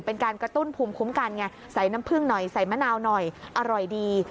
เป็นการกระตุ้นภูมิคุ้มกันไงใส่น้ำผึ้งหน่อยใส่มะนาวหน่อยอร่อยดี